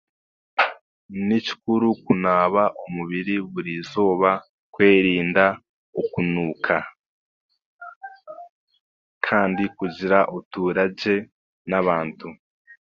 Ni kikuru kunaaba omubiri buri eizooba kwerinda okunuuka kandi kugira obutuuragye n'abantu